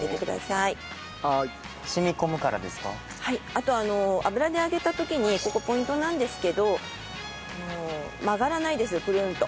あと油で揚げた時にここポイントなんですけど曲がらないですクルンと。